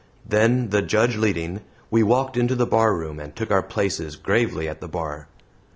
Then, the Judge leading, we walked into the barroom and took our places gravely at the bar.